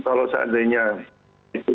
kalau seandainya itu